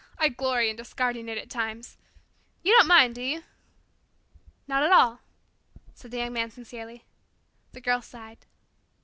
I glory in discarding it at times. You don't mind, do you?" "Not at all," said the Young Man sincerely. The Girl sighed.